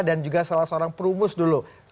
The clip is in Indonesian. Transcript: dan juga salah seorang perumus dulu